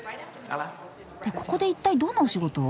ここで一体どんなお仕事を？